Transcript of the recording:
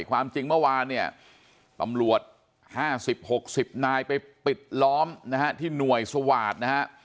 ความจริงเมื่อวานปำรวจ๕๐๖๐นายไปปิดล้อมที่หน่วยสวาสตร์